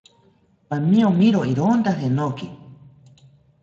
¡Pamiomiro ironta jenoki!